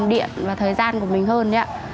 điện và thời gian của mình hơn nhé